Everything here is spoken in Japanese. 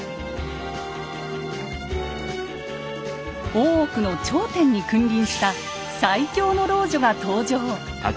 大奥の頂点に君臨した最強の老女が登場。